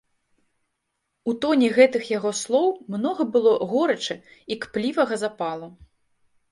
У тоне гэтых яго слоў многа было горычы і кплівага запалу.